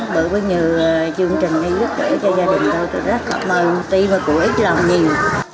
bởi bất ngờ chương trình này giúp đỡ cho gia đình tôi tôi rất cảm ơn tuy mà cũng ít lòng nhìn